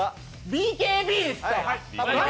ＢＫＢですか？